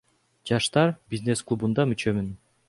Жаштар бизнес клубунда мүчөмүн.